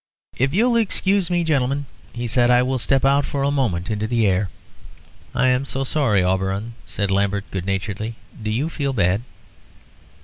"If you'll excuse me, gentlemen," he said, "I will step out for a moment into the air." "I'm so sorry, Auberon," said Lambert, good naturedly; "do you feel bad?"